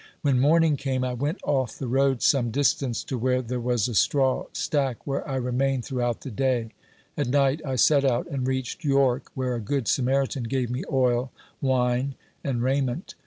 When morning came, I went off the road some ALBERT HAZLETT. 55 distance to where there was a straw stack, where I remained throughout the day. At night, I set out and reached York, where a good Samaritan gave ine oil, wine and raiment.